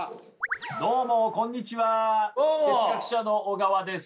どうもこんにちは哲学者の小川です。